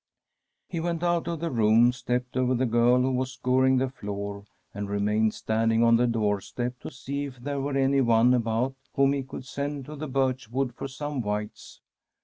He went out of the room, stepped over the girl who was scouring the floor, and remained stand [ 395 ] From d SfFEDISH HOMESTEAD ing on the doorstep, to see if there were anyone aboti;^ whom he could send to the birch wood for some withes.